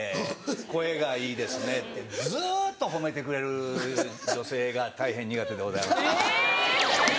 声がいいですね」ってずっと褒めてくれる女性が大変苦手でございます。ハハハ。